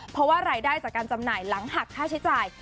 เพราะว่ารายได้จากการจำหน่ายหลังหักค่าใช้จ่าย